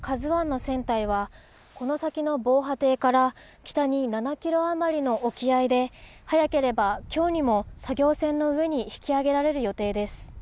ＫＡＺＵＩの船体は、この先の防波堤から北に７キロ余りの沖合で、早ければきょうにも作業船の上に引き揚げられる予定です。